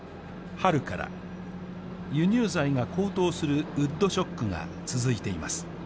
春から輸入材が高騰するウッドショックが続いています